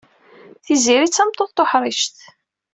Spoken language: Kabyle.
Tiziri d tameṭṭut tuḥrict.